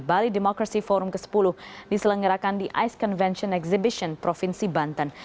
bali demokrasi forum ke sepuluh diselenggarakan di ice convention exhibition provinsi banten